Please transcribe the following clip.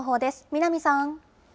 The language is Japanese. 南さん。